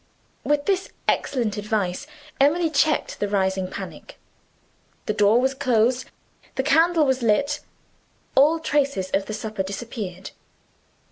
With this excellent advice Emily checked the rising panic. The door was closed, the candle was lit; all traces of the supper disappeared.